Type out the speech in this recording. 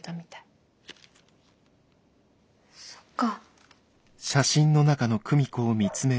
そっか。